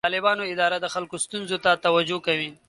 د طالبانو اداره د خلکو ستونزو ته توجه کوي.